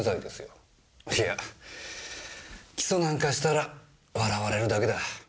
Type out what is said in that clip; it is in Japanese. いや起訴なんかしたら笑われるだけだ。